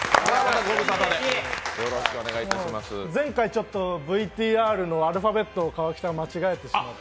前回ちょっとＶＴＲのアルファベットを川北、間違えてしまって。